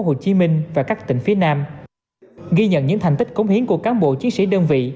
hồ chí minh và các tỉnh phía nam ghi nhận những thành tích cống hiến của cán bộ chiến sĩ đơn vị